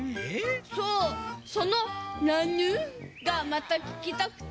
そうその「なぬ！」がまた聞きたくて。